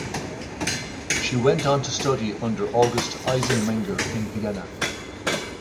She went on to study under August Eisenmenger in Vienna.